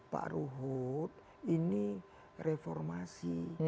pak ruhut ini reformasi